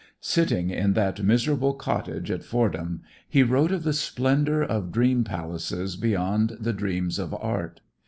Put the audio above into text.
Sitting in that miserable cottage at Fordham he wrote of the splendor of dream palaces beyond the dreams of art.